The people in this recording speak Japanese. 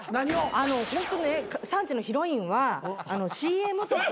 ホントね３時のヒロインはＣＭとか。